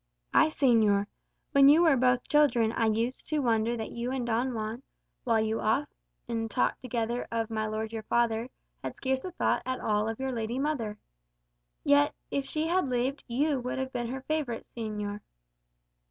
"Ay, señor. When you were both children, I used to wonder that you and Don Juan, while you talked often together of my lord your father, had scarce a thought at all of your lady mother. Yet if she had lived you would have been her favourite, señor."